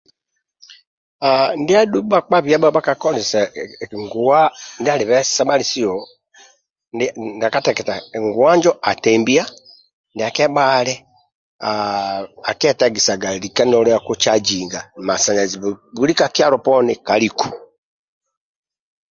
Hhh ndiadhu bhakpa biabho bhakakozese nguwa ndia alibe sebhalisiyo ndia kateketa atembia ndia kebhali ekietagisibwa lika nolia kucajinga masnalaji buli ka kyalo poni kaliku